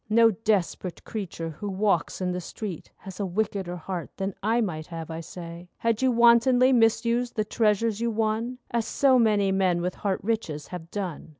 No desperate creature who walks in the street Has a wickeder heart than I might have, I say, Had you wantonly misused the treasures you won— As so many men with heart riches have done.